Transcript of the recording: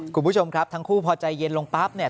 คุณผู้ชมครับทั้งคู่พอใจเย็นลงปั๊บเนี่ย